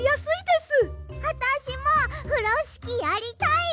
あたしもふろしきやりたい！